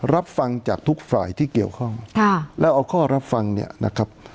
รับฟังจากทุกฝ่ายที่เกี่ยวข้องค่ะแล้วเอาข้อรับฟังเนี่ยนะครับ